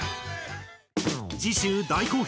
次週大好評！